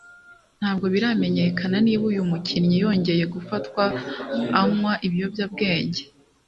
Ntabwo biramenyekana niba uyu mukinnyi yongeye gufatwa anyway ibiyobyabwenge